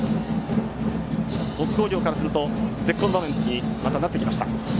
鳥栖工業からするとまた絶好の場面になりました。